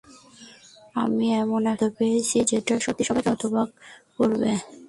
আমি এমন একটা তথ্য পেয়েছি, যেটা সত্যিই সবাইকে হতবাক করবে।